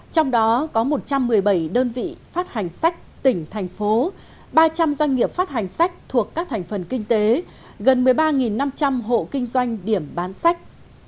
trong đó có một trăm một mươi bảy đơn vị phát hành sách tỉnh thành phố ba trăm linh doanh nghiệp phát hành sách thuộc các thành phần kinh tế gần một mươi ba năm trăm linh hộ kinh doanh điểm bán sách